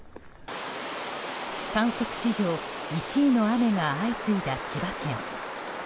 観測史上１位の雨が相次いだ千葉県。